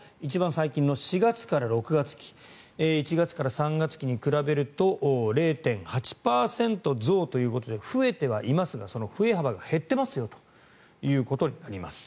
最近の４月から６月期１月から３月期に比べると０．８％増ということで増えてはいますがその増え幅が減ってますよということになります。